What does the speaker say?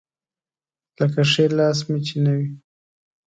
لکه ښی لاس مې چې نه وي.